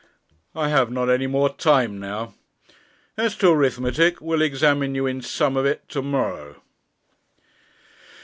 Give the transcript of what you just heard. I have not any more time now; as to arithmetic, we'll examine you in 'some of it' to morrow.'